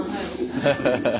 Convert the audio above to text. ハハハハハ。